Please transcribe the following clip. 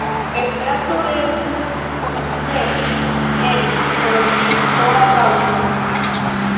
Esperanto devus sukcesi eĉ pro tiu sola kaŭzo.